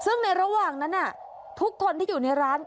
ซึ่งในระหว่างนั้นทุกคนที่อยู่ในร้าน